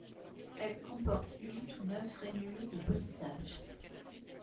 Elle comporte huit ou neuf rainures de polissage.